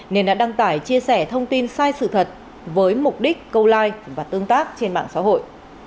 nên đã đăng tải chia sẻ thông tin sai sự thật với mục đích câu like và tương tác trên mạng xã hội